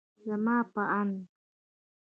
زما په اند